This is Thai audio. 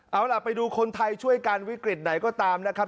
เอาล่ะไปดูคนไทยช่วยกันวิกฤตไหนก็ตามนะครับ